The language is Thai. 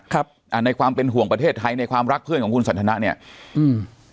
ครับอ่าในความเป็นห่วงประเทศไทยในความรักเพื่อนของคุณสันทนะเนี่ยอืม